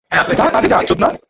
যা কাজে যা, চোদনা।